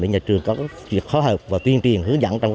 để nhà trường có việc khó hợp và tuyên truyền hướng dẫn